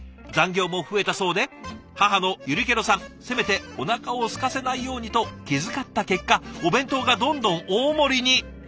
残業も増えたそうで母のゆりけろさんせめておなかをすかせないようにと気遣った結果お弁当がどんどん大盛りに。